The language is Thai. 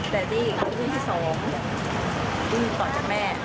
แต่ที่วุ่นที่สองยุ่งตอนจากแม่